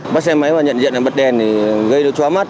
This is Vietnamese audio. bắt xe máy và nhận diện bật đèn gây đồ chóa mắt